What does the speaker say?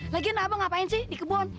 lagian apa ngapain sih di kebun